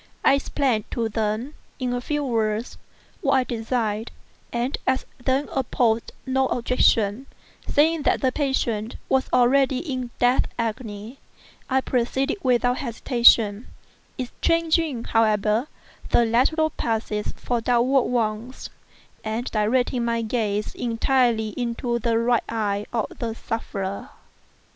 I explained to them, in a few words, what I designed, and as they opposed no objection, saying that the patient was already in the death agony, I proceeded without hesitation—exchanging, however, the lateral passes for downward ones, and directing my gaze entirely into the right eye of the sufferer.